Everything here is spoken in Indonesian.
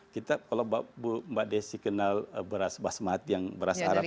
kita kalau mbak desi kenal beras basmati yang beras arab